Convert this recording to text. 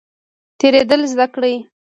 تیریدل زده کړئ